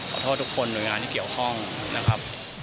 ขอโทษทุกคนหน่วยงานที่เกี่ยวข้องนะครับ